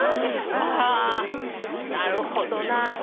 はなるほどな。